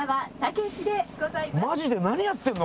マジで何やってるの？